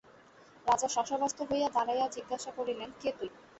রাজা শশব্যস্ত হইয়া দাঁড়াইয়া জিজ্ঞাসা করিলেন, কে তুই?